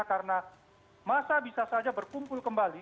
karena masa bisa saja berkumpul kembali